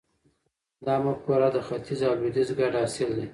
دا مفکوره د ختیځ او لویدیځ ګډ حاصل دی.